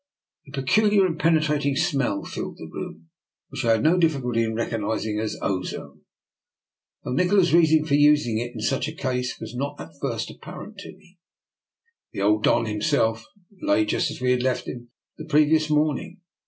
A peculiar and penetrating smell filled the room, which I had no difficulty in recognising as ozone, though Nikola's reason for using it in such a case was not at first apparent to me. The old Don himself lay just as we had left him the previ ous morning.